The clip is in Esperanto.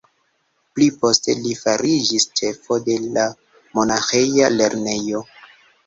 Pli poste li fariĝis ĉefo de la monaĥeja lernejo.